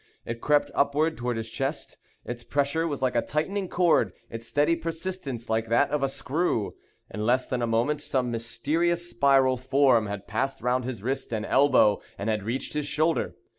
It crept upward toward his chest. Its pressure was like a tightening cord, its steady persistence like that of a screw. In less than a moment some mysterious spiral form had passed round his wrist and elbow, and had reached his shoulder.